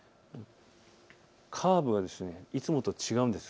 カーブがいつもと違うんです。